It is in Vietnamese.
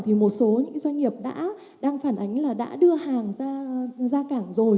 thì một số doanh nghiệp đang phản ánh là đã đưa hàng ra cảng rồi